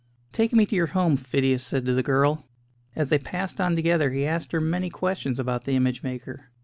"Take me to your home," Phidias said to the girl; as they passed on together he asked her many questions about the image maker.